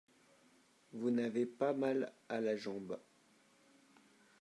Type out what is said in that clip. vous n'avez pas mal à la jambe.